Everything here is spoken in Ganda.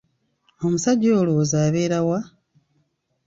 Omusajja olowooza abeera wa?